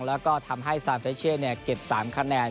แล้วก็ทำให้ซานเฟชเช่เก็บ๓คะแนน